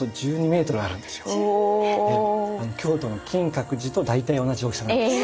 １２メートル⁉京都の金閣寺と大体同じ大きさなんです。